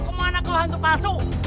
kemana kau hantu pasuk